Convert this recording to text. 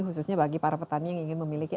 khususnya bagi para petani yang ingin memiliki